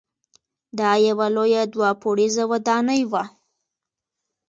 دا یوه لویه دوه پوړیزه ودانۍ وه.